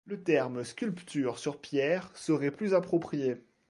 Le terme sculpture sur pierre serait plus approprié.